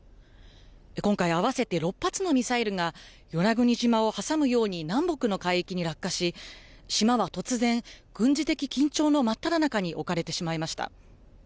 今回、合わせて６発のミサイルが、与那国島を挟むように南北の海域に落下し、島は突然、軍事的緊張の真っただ中に置かれてしまいました。